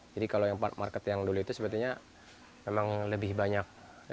jadi kalau yang market yang dulu itu sebetulnya memang lebih banyak